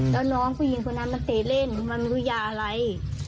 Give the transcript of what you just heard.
แล้วน้องผู้หญิงคนนั้นมันเตะเล่นมันไม่รู้ยาอะไร